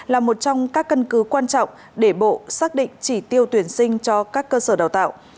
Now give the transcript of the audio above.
là một trong các cân cứ quan trọng để bộ xác định chỉ tiêu tuyển sinh cho các cơ sở đào tạo